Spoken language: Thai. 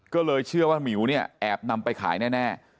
ก็เลยเชื่อว่าหมิวเนี่ยแอบนำไปขายแน่